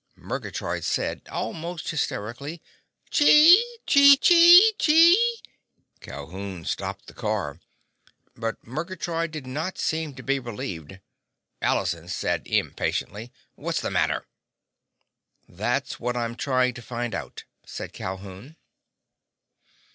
Murgatroyd said almost hysterically: "Chee chee chee chee!" Calhoun stopped the car, but Murgatroyd did not seem to be relieved. Allison said impatiently, "What's the matter?" "That's what I'm trying to find out," said Calhoun.